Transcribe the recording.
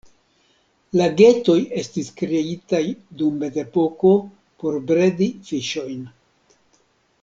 Lagetoj estis kreitaj dum mezepoko por bredi fiŝojn.